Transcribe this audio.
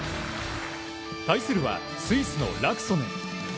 対するはスイスのラクソネン。